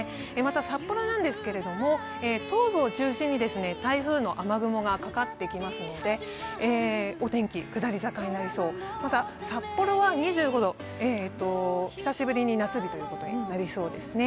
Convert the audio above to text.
また、札幌なんですが、東部を中心に台風の雨雲がかかってきますのでお天気下り坂になりそう、札幌は２５度久しぶりに夏日となりそうです。